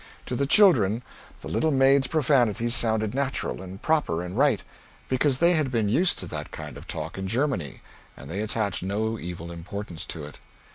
To the children, the little maid's profanities sounded natural and proper and right, because they had been used to that kind of talk in Germany, and they attached no evil importance to it.